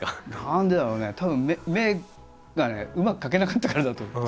何でだろうねたぶん目がねうまく描けなかったからだと。